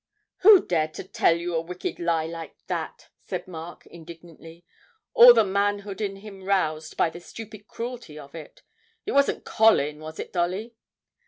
'Who dared to tell you a wicked lie like that?' said Mark indignantly, all the manhood in him roused by the stupid cruelty of it. 'It wasn't Colin, was it, Dolly?'